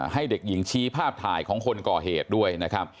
ให้เด็กหญิงชี้ภาพถ่ายของคนก่อเหตุด้วยนะครับ